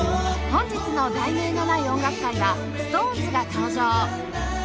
本日の『題名のない音楽会』は ＳｉｘＴＯＮＥＳ が登場